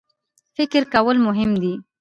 فکر کول مهم دی.